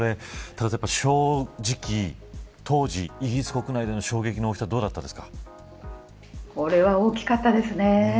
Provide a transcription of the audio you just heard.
正直、当時イギリス国内での衝撃の大きさこれは、大きかったですね。